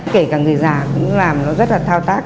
kể cả người già cũng làm nó rất là thao tác